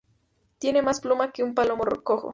Tiene más pluma que un palomo cojo